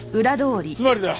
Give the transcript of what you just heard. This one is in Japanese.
つまりだ。